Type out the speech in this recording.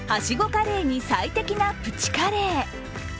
カレーに最適なプチカレー。